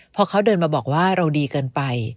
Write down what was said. พอเขาเดินมาบอกว่าเราดีเกินไป